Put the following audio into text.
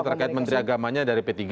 terkait menteri agamanya dari p tiga